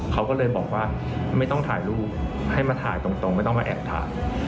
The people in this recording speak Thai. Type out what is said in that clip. เขาก็เลยบอกว่าไม่ต้องถ่ายรูปให้มาถ่ายตรงไม่ต้องมาแอบถ่าย